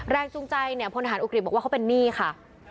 แรงจูงใจพลนาหารอุกริบบอกว่าเขาเป็นนี่ค่ะ